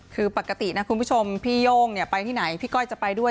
คือปกตินะคุณผู้ชมพี่โย่งไปที่ไหนพี่ก้อยจะไปด้วย